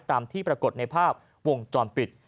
ตามที่ปรากฏในภาพวงจรปิด